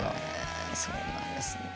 そうなんですね。